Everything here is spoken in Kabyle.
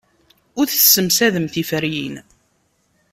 Ur tessemsadem tiferyin.